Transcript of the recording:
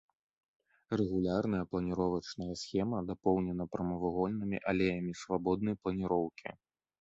Рэгулярная планіровачная схема дапоўнена прамавугольнымі алеямі свабоднай планіроўкі.